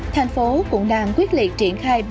thành phố cũng đang quyết liệt triển khai